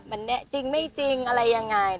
มันแนะจริงไม่จริงอะไรยังไง